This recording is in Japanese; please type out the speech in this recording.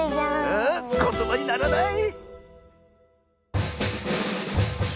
あっことばにならない。